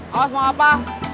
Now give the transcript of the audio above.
awas mau apa